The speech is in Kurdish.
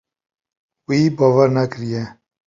Wî bawer nekiriye.